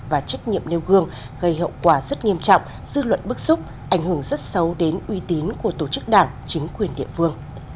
và trách nhiệm nêu gương gây hậu quả rất nghiêm trọng dư luận bức xúc ảnh hưởng rất xấu đến uy tín của tổ chức đảng chính quyền địa phương